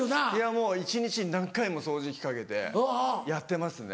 もう一日に何回も掃除機かけてやってますね。